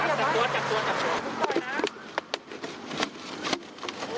่ารักจับตัว